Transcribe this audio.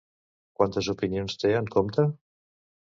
Quantes opinions té en compte?